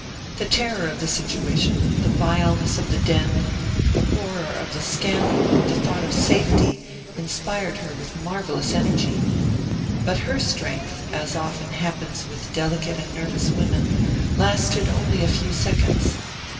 The terror of the situation, the vileness of the den, the horror of the scandal, the thought of safety, inspired her with marvelous energy. But her strength, as often happens with delicate and nervous women, lasted only a few seconds.